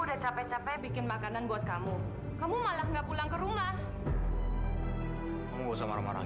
terima kasih samamu